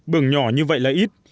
bường nhỏ như vậy là ít